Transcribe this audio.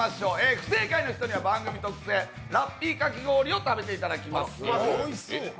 不正解の人には番組特製ラッピーかき氷を食べていただきます。